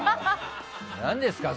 何ですか？